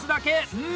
うん？